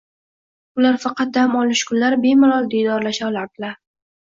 Ular faqat dam olish kunlari bemalol diydorlasha olardilar